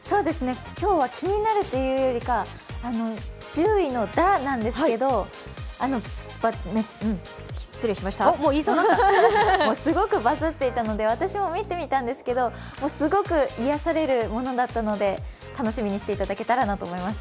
今日は気になるというよりか、１０位のダッなんですけど、すごくバズっていたので私も見てみたんですけどすごく癒やされるものだったので楽しみにしていただけたらなと思います。